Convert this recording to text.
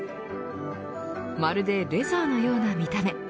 まるでレザーのような見た目。